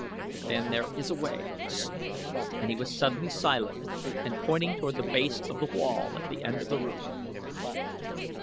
"Then there is a way sst!" he was suddenly silent and pointing toward the base of the wall at the end of the room.